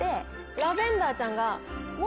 ラベンダーちゃんが。